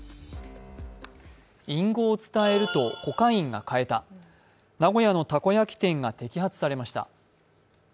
隠語を伝えるとコカインが買えた、名古屋のたこ焼き店が摘発されました。